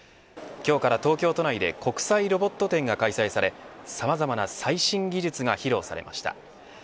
今日から東京都内で国際ロボット展が開催されさまざまな最新技術が披露されました。